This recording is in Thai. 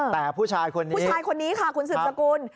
แต่ผู้ชายคนนี้คุณสึบสกุล